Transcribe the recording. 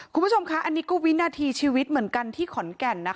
คุณผู้ชมคะอันนี้ก็วินาทีชีวิตเหมือนกันที่ขอนแก่นนะคะ